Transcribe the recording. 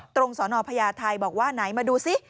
สนพญาไทยบอกว่าไหนมาดูซิ